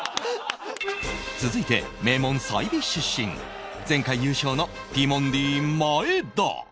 続いて名門済美出身前回優勝のティモンディ前田